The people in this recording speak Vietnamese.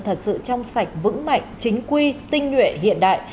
thật sự trong sạch vững mạnh chính quy tinh nhuệ hiện đại